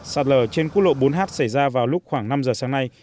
sạt lở trên quốc lộ bốn h xảy ra vào lúc khoảng năm giờ sáng nay